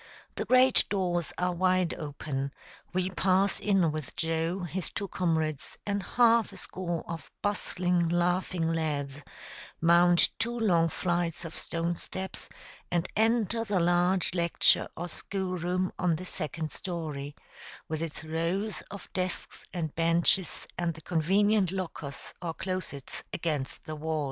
The great doors are wide open; we pass in with Joe, his two comrades, and half a score of bustling, laughing lads, mount two long flights of stone steps, and enter the large lecture or school room on the second story, with its rows of desks and benches, and the convenient lockers or closets against the walls.